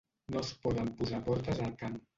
No es poden posar portes al camp.